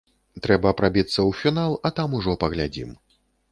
Трэба прабіцца ў фінал, а там ужо паглядзім.